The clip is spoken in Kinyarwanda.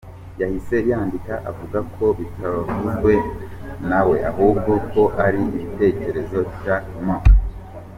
Yahise yandika avuga ko bitavuzwe nawe ahubwo ko ari ibitekerezo Jack Ma.